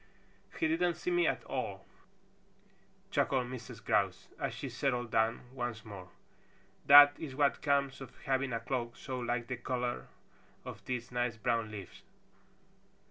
"He didn't see me at all," chuckled Mrs. Grouse, as she settled down once more. "That is what comes of having a cloak so like the color of these nice brown leaves.